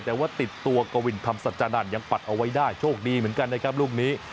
แต่ว่าติดตัวกวินธรรมสัจจานันทร์ยังปัดเอาไว้ได้โชคดีเหมือนกันนะครับลูกนี้